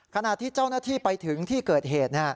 ขณะที่เจ้าหน้าที่ไปถึงที่เกิดเหตุ